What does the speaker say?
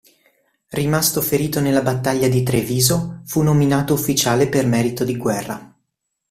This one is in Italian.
Rimasto ferito nella battaglia di Treviso, fu nominato ufficiale per merito di guerra.